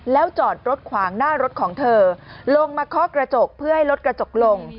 แล้วจอดรถขวางหน้ารถของเธอลงมาเคาะกระจกเพื่อให้รถกระจกลง